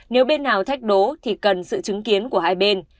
nếu bên nào thách đố thì cần sự chứng kiến của hai bên